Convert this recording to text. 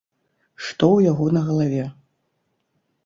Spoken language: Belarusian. Што ў яго на галаве?